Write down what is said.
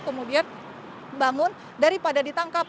kemudian bangun daripada ditangkap